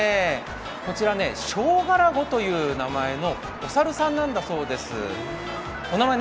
こちら、ショーガラゴという名前のお猿さんなんだそうです。